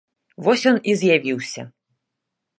Вось ён і з'явіўся.